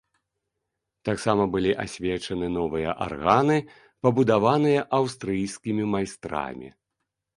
Таксама былі асвечаны новыя арганы, пабудаваныя аўстрыйскімі майстрамі.